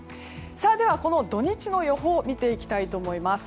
では、この土日の予報を見ていきたいと思います。